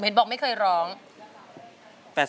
สวัสดีครับ